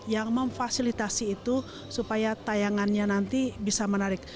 yang memfasilitasi itu supaya tayangannya nanti bisa menarik